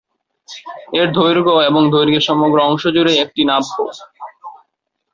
এর দৈর্ঘ্য এবং দৈর্ঘ্যের সমগ্র অংশ জুড়েই এটি নাব্য।